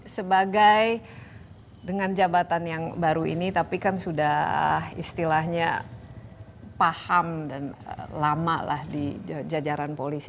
sebagai dengan jabatan yang baru ini tapi kan sudah istilahnya paham dan lama lah di jajaran polisi